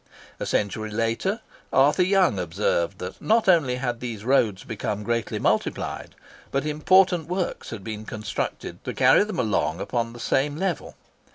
A century later, Arthur Young observed that not only had these roads become greatly multiplied, but important works had been constructed to carry them along upon the same level.